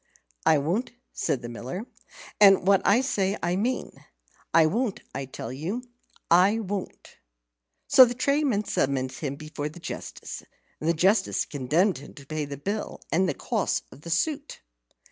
"I won't," said the Miller, "and what I say I mean. I won't; I tell you, I won't." So the tradesman summoned him before the Justice, and the Justice condemned him to pay the bill and the costs of the suit.